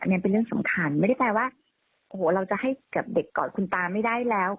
อันนี้เป็นเรื่องสำคัญไม่ได้แปลว่าโอ้โหเราจะให้กับเด็กกอดคุณตาไม่ได้แล้ว